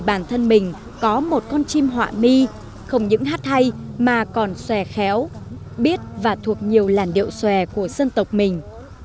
bản thân mình có một con chim họa mi không những hát hay mà còn xòe khéo biết và thuộc nhiều làn điệu xòe của dân tộc mình